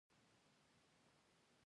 افغان نېشنلېزم پخوا جهل و.